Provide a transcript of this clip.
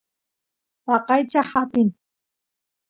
waqaychaq apin